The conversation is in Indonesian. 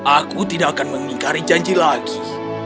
aku tidak akan mengingkari janji lagi